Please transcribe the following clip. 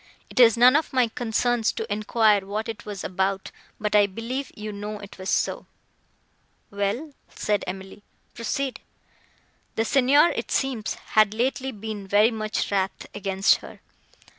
It is none of my concerns to enquire what it was about, but I believe you know it was so." "Well," said Emily, "proceed." "The Signor, it seems, had lately been very wrath against her.